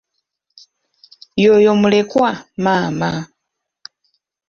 Y'oyo mulekwa maama.